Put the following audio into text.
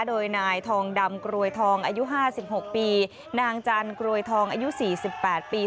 โดยนายทองดำกรวยทองอายุ๕๖ปีนางจันกรวยทองอายุ๔๘ปี